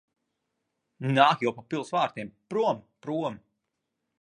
Nāk jau pa pils vārtiem. Prom! Prom!